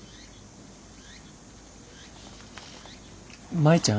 舞ちゃん。